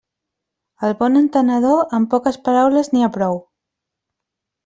Al bon entenedor, amb poques paraules n'hi ha prou.